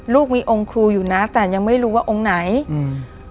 ลูกมีองค์ครูอยู่นะแต่ยังไม่รู้ว่าองค์ไหนอืม